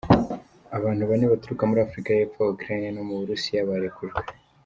Abantu bane baturuka muri Afrika y'epfo, Ukraine no mu Burusiya barekujwe.